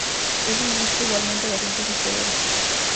Es ministro igualmente de Asuntos Exteriores.